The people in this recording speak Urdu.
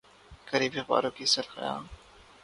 قریب اخباروں کی سرخیاں